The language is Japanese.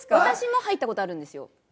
私も入った事あるんですよ。